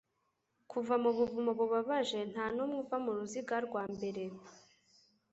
kuva mu buvumo bubabaje ntanumwe uva muruziga rwa mbere